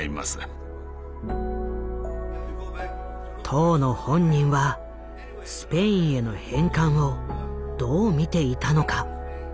当の本人はスペインへの返還をどう見ていたのか。